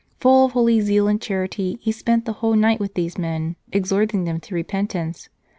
Full of holy zeal and charity, he spent the whole night with these men, exhorting them to repentance.